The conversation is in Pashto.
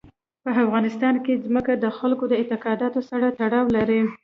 په افغانستان کې ځمکه د خلکو د اعتقاداتو سره تړاو لري.